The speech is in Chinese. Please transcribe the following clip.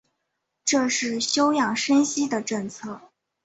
这就是休养生息的政策。